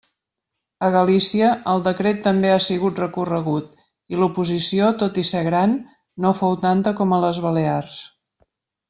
A Galícia, el decret també ha sigut recorregut i l'oposició, tot i ser gran, no fou tanta com a les Balears.